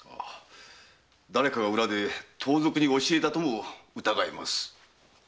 誰かが裏で盗賊に教えたとも疑えます。